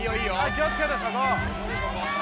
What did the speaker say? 気をつけてそこ！